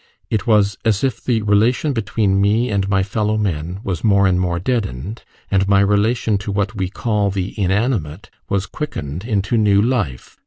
It was as if the relation between me and my fellow men was more and more deadened, and my relation to what we call the inanimate was quickened into new life.